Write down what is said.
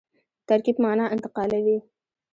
ترکیب مانا انتقالوي.